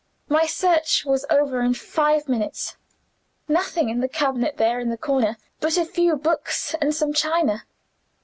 My search was over in five minutes. Nothing in the cabinet there, in the corner, but a few books and some china.